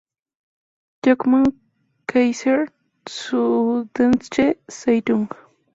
Joachim Kaiser, Süddeutsche Zeitung.